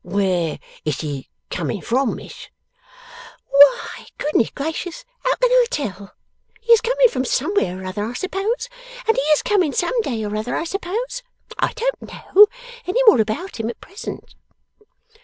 'Where is he coming from, Miss?' 'Why, good gracious, how can I tell! He is coming from somewhere or other, I suppose, and he is coming some day or other, I suppose. I don't know any more about him, at present.